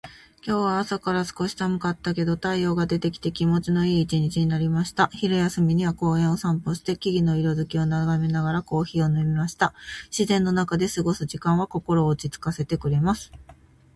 今日は朝から少し寒かったけれど、太陽が出てきて気持ちのいい一日になりました。昼休みには公園を散歩して、木々の色づきを眺めながらコーヒーを飲みました。自然の中で過ごす時間は心を落ち着かせてくれます。